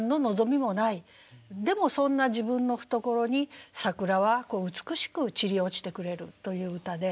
でもそんな自分の懐に桜は美しく散り落ちてくれる」という歌で。